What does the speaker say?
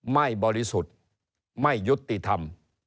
บริสุทธิ์ไม่ยุติธรรม